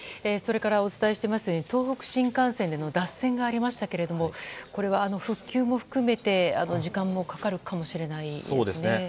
それからお伝えしていますように東北新幹線で脱線がありましたがこれは復旧も含めて時間がかかるかもしれませんね。